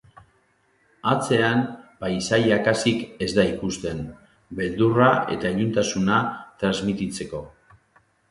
Atzean paisaia kasik ez da ikusten, beldurra eta iluntasuna trasmititzeko.